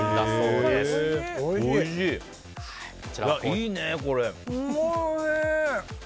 いいね、これ。